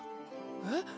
えっ？